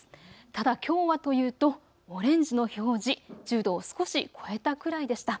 ただ、きょうはというとオレンジの表示、１０度を少し超えたくらいでした。